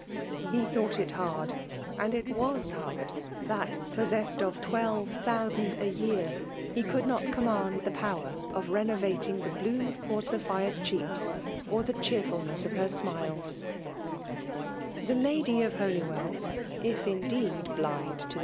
H^ thought it hard, and it iivas bard^ ftat, P9a6es8ed of twelve thoiisand a yoar^ he coold jEVQt fpmxoand the po\ver of renovating Ae bloom of poor Sophia's checks or Ihe cheeifid . Jiess of her smiles. , The lady of Holywell (if iodeed blind to the.